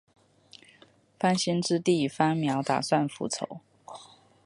番歆之弟番苗打算复仇。